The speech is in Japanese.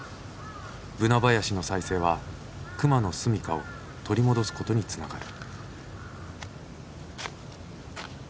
ブナ林の再生は熊の住みかを取り戻すことにつながる。